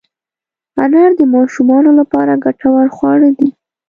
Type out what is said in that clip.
انار د ماشومانو لپاره ګټور خواړه دي.